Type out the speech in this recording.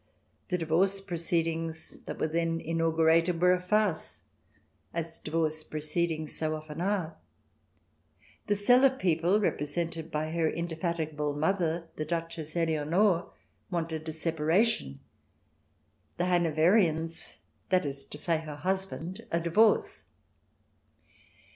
The divorce proceedings that were then inaugurated were a farce, as divorce proceedings so often are. The Celle people, repre sented by her indefatigable mother, the Duchess Eleonore, wanted a separation; the Hanoverians, that is to say her husband, a divorce.